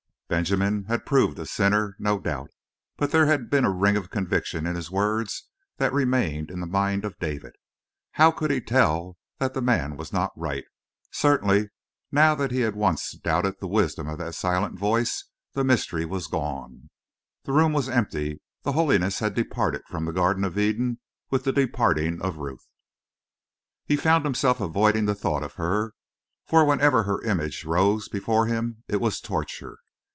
Benjamin had proved a sinner, no doubt, but there had been a ring of conviction in his words that remained in the mind of David. How could he tell that the man was not right? Certainly, now that he had once doubted the wisdom of that silent Voice, the mystery was gone. The room was empty; the holiness had departed from the Garden of Eden with the departing of Ruth. He found himself avoiding the thought of her, for whenever her image rose before him it was torture.